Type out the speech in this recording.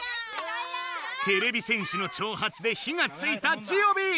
てれび戦士のちょうはつで火がついたジオビー！